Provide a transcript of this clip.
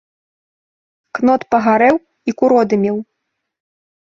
Кнот пагарэў і куродымеў.